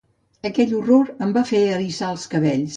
Aquell horror em va fer eriçar els cabells.